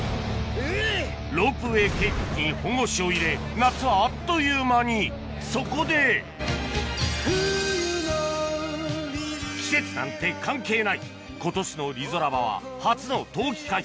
ロープウエー計画に本腰を入れ夏はあっという間にそこで季節なんて関係ない今年のリゾラバは初の冬季開催